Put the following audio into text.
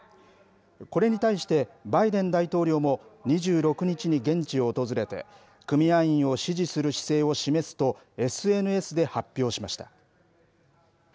これに対してバイデン大統領も２６日に現地を訪れて、組合員を支持する姿勢を示すと、ＳＮＳで発表しました。